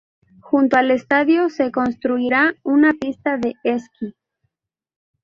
Junto al estadio se construirá una pista de esquí.